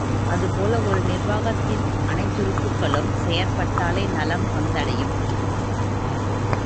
அதுபோல ஒரு நிர்வாகத் தின் அனைத்துறுப்புக்களும் செயற்பட்டாலே நலம் வந்தமையும்.